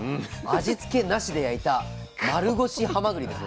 味付けなしで焼いた丸腰はまぐりです